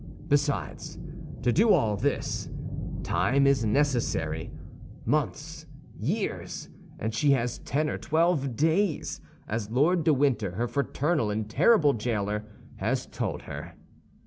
Besides, to do all this, time is necessary—months, years; and she has ten or twelve days, as Lord de Winter, her fraternal and terrible jailer, has told her.